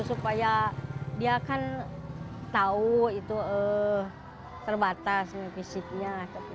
supaya dia kan tahu itu terbatas fisiknya